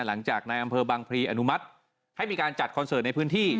หลังจากในอำเภอบางพลีอนุมัติให้มีการจัดคอนเสิร์ตในพื้นที่